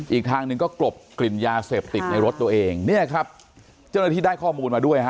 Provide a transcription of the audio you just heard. อีกทางหนึ่งก็กลบกลิ่นยาเสพติดในรถตัวเองเนี่ยครับเจ้าหน้าที่ได้ข้อมูลมาด้วยฮะ